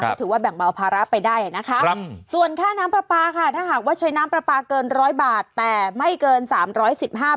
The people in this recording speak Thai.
ก็ถือว่าแบ่งเบาภาระไปได้นะคะส่วนค่าน้ำปลาปลาค่ะถ้าหากว่าใช้น้ำปลาปลาเกินร้อยบาทแต่ไม่เกิน๓๑๕บาท